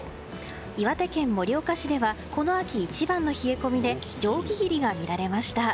岩手県盛岡市ではこの秋一番の冷え込みで蒸気霧が見られました。